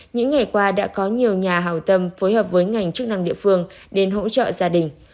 những ngày qua đã có nhiều nhà hào tâm phối hợp với ngành chức năng địa phương đến hỗ trợ gia đình